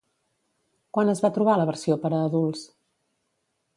Quan es va trobar la versió per a adults?